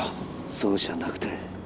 そうじゃなくて